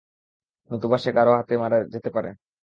নতুবা সে কারো হাতে মারা যেতে পারে।